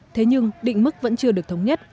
thế nhưng định mức vẫn chưa được thống nhất